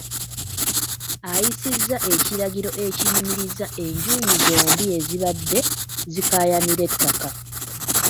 Ayisizza ekiragiro ekiyimiriza enjuyi zombi ezibadde zikaayanira ettaka